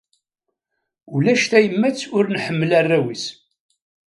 Ulac tayemmat ur nḥemmel arraw-is.